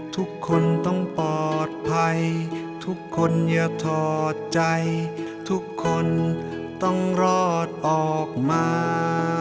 ทุกคนต้องปลอดภัยทุกคนอย่าถอดใจทุกคนต้องรอดออกมา